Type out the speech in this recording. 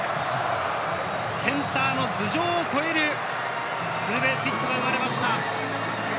センターの頭上を越えるツーベースヒットが生まれました。